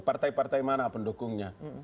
partai partai mana pendukungnya